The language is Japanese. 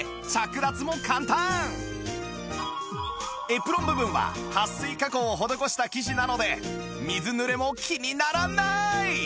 エプロン部分ははっ水加工を施した生地なので水ぬれも気にならない！